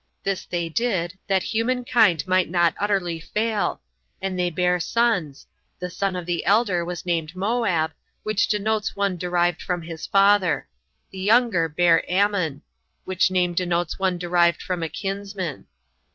This they did, that human kind might not utterly fail: and they bare sons; the son of the elder was named Moab, Which denotes one derived from his father; the younger bare Ammon, which name denotes one derived from a kinsman.